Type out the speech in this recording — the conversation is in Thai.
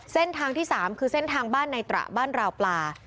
เส้นทางที่๓คือเส้นทางบ้านในตระบ้านราวปลา